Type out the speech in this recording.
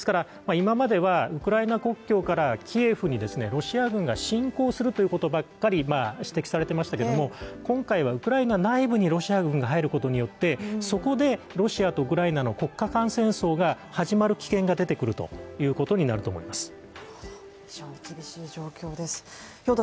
今まではウクライナ国境からキエフにロシア軍が侵攻するということばかり指摘されていましたけれども今回はウクライナ内部にロシア軍が入ることによってそこでロシアとウクライナの国家間戦争が始まる危険が出てくるということになると思います